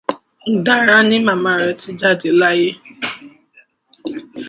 Dára ní màmá rẹ̀ ti jáde láyé.